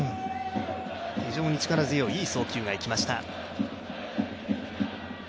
非常に力強いいい送球がいきまいた。